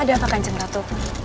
ada apa kan ceng ratu